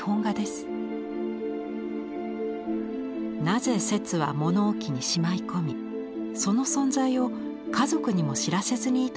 なぜ摂は物置にしまい込みその存在を家族にも知らせずにいたのでしょうか。